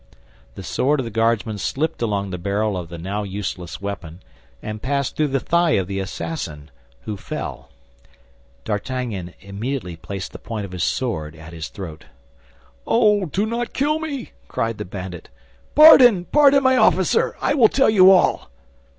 The sword of the Guardsman slipped along the barrel of the now useless weapon, and passed through the thigh of the assassin, who fell. D'Artagnan immediately placed the point of his sword at his throat. "Oh, do not kill me!" cried the bandit. "Pardon, pardon, my officer, and I will tell you all."